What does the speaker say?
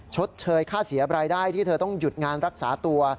ชดเชยค่าเสียบรายได้ที่เธอต้องหยุดงานรักษาตัว